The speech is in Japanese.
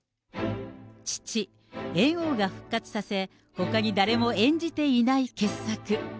父、猿翁が復活させ、ほかに誰も演じていない傑作。